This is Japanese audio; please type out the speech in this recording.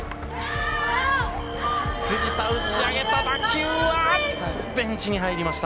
藤田打ち上げた打球はベンチに入りました。